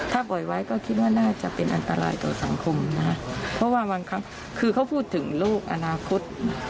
ถ้าปล่อยไว้ก็คิดว่าน่าจะเป็นอันตรายต่อสังคมนะคะเพราะว่าบางครั้งคือเขาพูดถึงโลกอนาคต